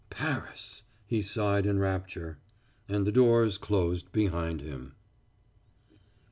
"Paris!" he sighed in rapture, and the doors closed behind him.